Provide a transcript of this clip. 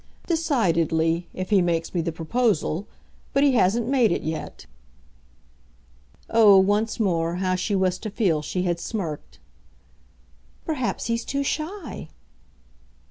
"Decidedly if he makes me the proposal. But he hasn't made it yet." Oh, once more, how she was to feel she had smirked! "Perhaps he's too shy!"